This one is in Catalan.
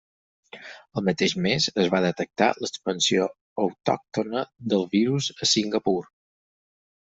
El mateix mes es va detectar l'expansió autòctona del virus a Singapur.